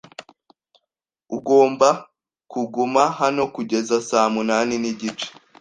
Ugomba kuguma hano kugeza saa munani nigice.